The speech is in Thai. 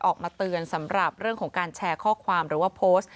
ออกมาเตือนสำหรับเรื่องของการแชร์ข้อความหรือว่าโพสต์